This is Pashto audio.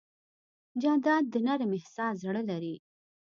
جانداد د نرم احساس زړه لري.